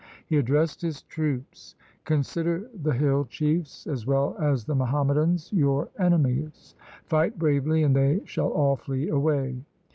He addressed his troops, ' Consider the hill chiefs as well as the Muhammadans your enemies. Fight bravely, and they shall all flee away.'